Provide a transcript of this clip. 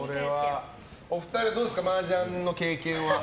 お二人どうですかマージャンの経験は。